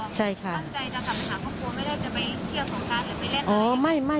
ใช่ค่ะค่ะ